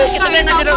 kita deh nanti dong